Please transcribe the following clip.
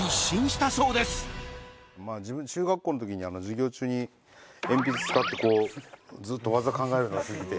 自分中学校の時に授業中に鉛筆使ってずっと技考えるのが好きで。